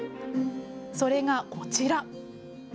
それがこちら。